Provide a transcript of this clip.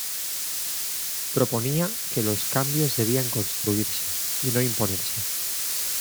Proponía que los cambios debían construirse y no imponerse.